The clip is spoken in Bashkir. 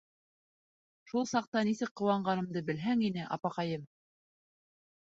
Шул саҡта нисек ҡыуанғанымды белһәң ине, апаҡайым!